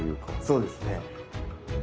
そうですね。